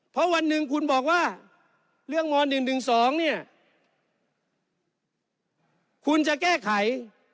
เพราะวันหนึ่งคุณบอกว่าเรื่องม๑๑๒เนี่ยคุณจะแก้ไข